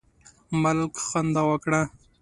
ملک خندا وکړه.